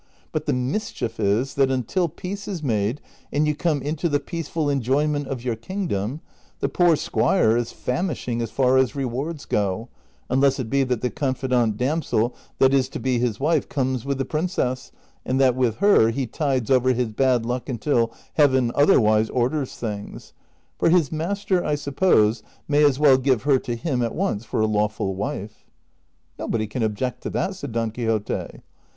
But the mis chief is that until peace is made and you come into the peace ful enjoyment of yoiir kingdom, the poor squire is famishing as far as rewards go, imless it be that the confidante damsel that is to be his wife comes with the princess, ami that with her he tides over his bad luck until Heaven otherAvise orders things ; for his master, I suppose, may as Avell giA'e her to him at once for a laAvful Avife." '' Nobody can object to that," said Don Quixote.